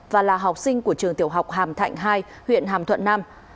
và là học sinh của trường tiểu học hàm thạnh hai huyện hàm thuận nam